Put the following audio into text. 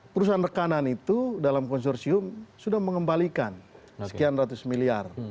perusahaan rekanan itu dalam konsorsium sudah mengembalikan sekian ratus miliar